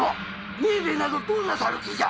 メーヴェなどどうなさる気じゃ？